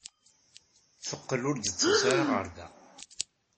Teqqel ur d-tettas ara ɣer da.